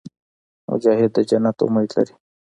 مجاهد د جنت امید لري.